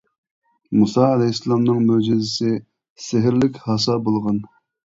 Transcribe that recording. مۇسا ئەلەيھىسسالامنىڭ مۆجىزىسى سېھىرلىك ھاسا بولغان.